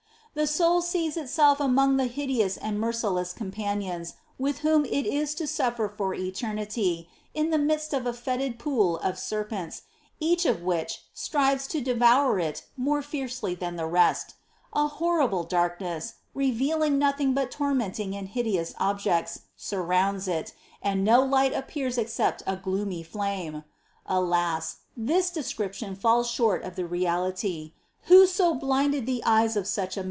7. The soul sees itself among the hideous and merciless companions with whom it is to suffer for eternity, in the midst of a fetid pool of serpents, each of which strives to devour it more fiercely than thereat'; a horrible darkness, revealing nothing but tormenting and hideous objects, surrounds it, and no light appears except a gloomy flame.' 8. Alas, this description falls short of the reality ! Who so blinded the eyes of such a